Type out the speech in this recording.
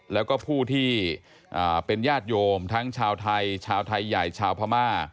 แล้วก็ผู้ที่เป็นญาติโยมทั้งชาวไทยชาวไทยใหญ่ชาวพม่า